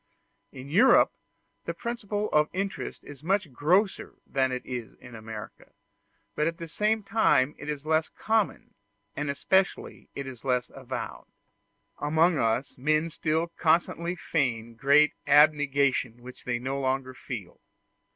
In Europe the principle of interest is much grosser than it is in America, but at the same time it is less common, and especially it is less avowed; amongst us, men still constantly feign great abnegation which they no longer feel.